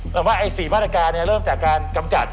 เราบอกว่าไอ้๔บ้านอาการเนี่ยเริ่มจากการกำจัด